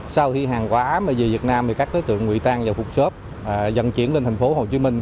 sau khi hàng quá mà về việt nam thì các đối tượng nguy tăng vào phục xốp dần chuyển lên thành phố hồ chí minh